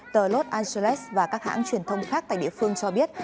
tờ los angeles và các hãng truyền thông khác tại địa phương cho biết